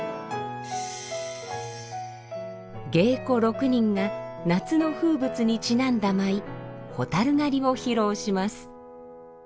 芸妓６人が夏の風物にちなんだ舞「螢狩」を披露します。